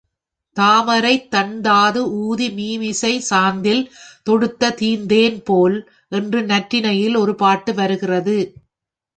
தாமரைத் தண்தாது ஊதி மீமிசைச் சாந்தில் தொடுத்த தீந்தேன் போல என்று நற்றிணையில் ஒரு பாட்டு வருகின்றது.